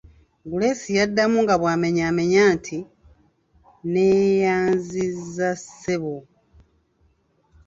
Guleesi yaddamu nga bw'amwenyamwenya nti: "neeyanziza ssebo"